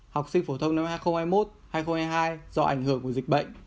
học sinh phổ thông năm hai nghìn hai mươi một hai nghìn hai mươi hai do ảnh hưởng của dịch bệnh